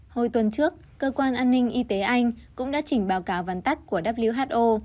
hồi tuần trước cơ quan an ninh y tế anh cũng đã chỉnh báo cáo vắn tắt của who